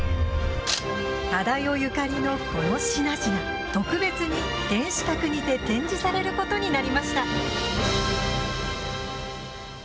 忠世ゆかりのこの品々、特別に天守閣にて展示されることになりました。